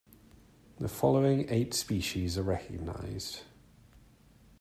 The following eight species are recognized.